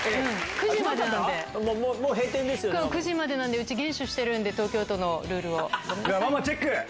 ９時までなんで、うち厳守してるんで、東京都の。